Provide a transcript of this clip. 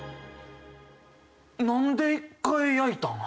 「なんで一回焼いたん？